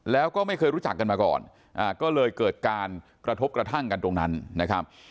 แล้วก็ไม่เคยรู้จักกันมาก่อนก็เลยเกิดการกระทบกระทั่งกันตรงนั้นนะครับ